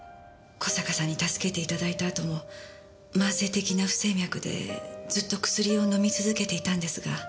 小坂さんに助けていただいたあとも慢性的な不整脈でずっと薬を飲み続けていたんですが。